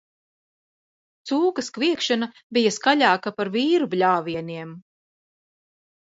Cūkas kviekšana bija skaļāka par vīru bļāvieniem.